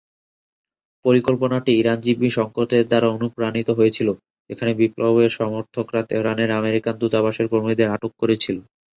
পরিকল্পনাটি ইরান জিম্মি সংকটের দ্বারা অনুপ্রাণিত হয়েছিল, যেখানে বিপ্লবের সমর্থকরা তেহরানের আমেরিকান দূতাবাসের কর্মীদের আটক করেছিল।